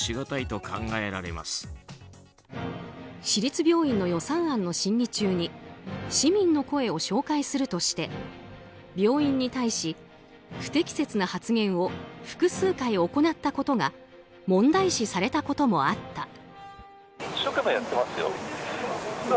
市立病院の予算案の審議中に市民の声を紹介するとして病院に対して、不適切な発言を複数回行ったことが問題視されたこともあった。